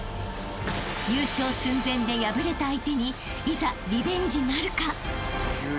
［優勝寸前で敗れた相手にいざリベンジなるか］